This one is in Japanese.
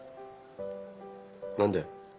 何で？